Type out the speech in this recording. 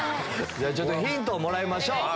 じゃあちょっとヒントをもらいましょう。